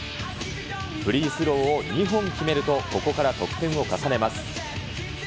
フリースローを２本決めると、ここから得点を重ねます。